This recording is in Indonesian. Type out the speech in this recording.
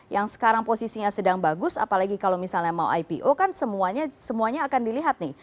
yang sekarang posisinya sedang bagus apalagi kalau misalnya mau ipo kan semuanya akan dilihat nih